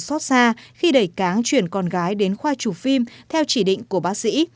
bác sĩ đã đối mặt với cảnh tượng xót xa khi đẩy cáng chuyển con gái đến khoa chụp phim theo chỉ định của bác sĩ